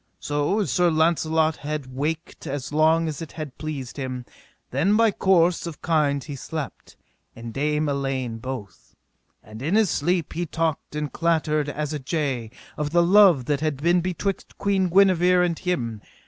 So as Sir Launcelot had waked as long as it had pleased him, then by course of kind he slept, and Dame Elaine both. And in his sleep he talked and clattered as a jay, of the love that had been betwixt Queen Guenever and him.